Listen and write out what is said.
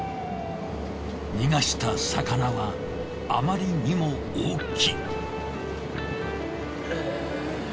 逃がした魚はあまりにも大きい。